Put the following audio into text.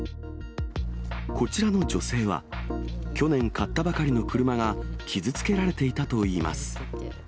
こちらの女性は、去年、買ったばかりの車が傷つけられていたといいます。